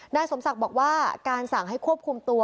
นายสมศักดิ์บอกว่าการสั่งให้ควบคุมตัว